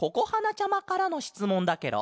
ちゃまからのしつもんだケロ。